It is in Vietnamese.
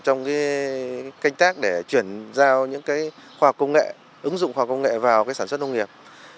trong cái canh tác để chuyển giao những cái khoa học công nghệ ứng dụng khoa học công nghệ vào cái sản xuất nông nghiệp